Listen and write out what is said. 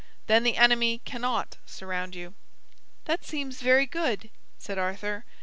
Then the enemy cannot surround you." "That seems very good," said Arthur.